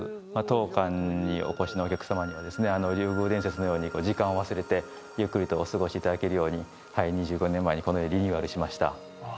当館にお越しのお客様にはですね竜宮伝説のように時間を忘れてゆっくりとお過ごしいただけるように２５年前にこのようにリニューアルしましたあ